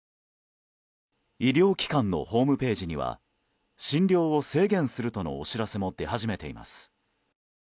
医療機関のホームページには診療を制限するとのお知らせも出始めています。